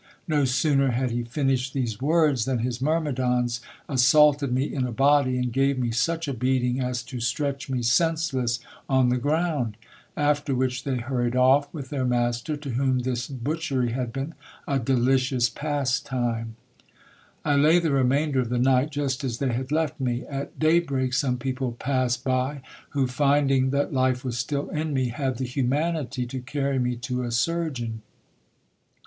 No sooner had he finished these words, than his myrmidons assaulted me in a body, and gave me such a beating, as to stretch me senseless on the ground : after which they hurried off with their master, to whom this butchery had been a delicious pastime. I lay the remainder of the night, just as they had left me. At daybreak some people passed by, who, finding that life was still in me, had the humanity to carry me to a surgeon.